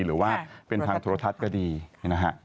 หรือว่าเป็นทางโทรทัศน์ก็ดีนะฮะ